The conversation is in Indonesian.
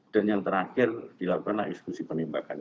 dan yang terakhir dilakukanlah eksekusi penembakan